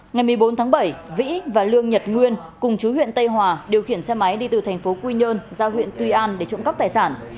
ngày một mươi bốn tháng bảy vĩ và lương nhật nguyên cùng chú huyện tây hòa điều khiển xe máy đi từ thành phố quy nhơn ra huyện tuy an để trộm cắp tài sản